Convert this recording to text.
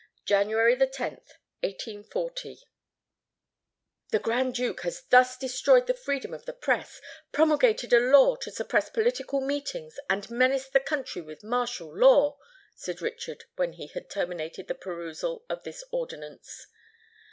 "January 10th, 1840." "The Grand Duke has thus destroyed the freedom of the press, promulgated a law to suppress political meetings, and menaced the country with martial law," said Richard, when he had terminated the perusal of this ordinance.